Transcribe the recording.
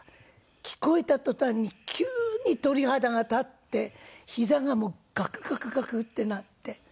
聞こえた途端に急に鳥肌が立ってひざがもうガクガクガクッてなって。